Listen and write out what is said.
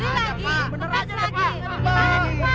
kita pas penurunan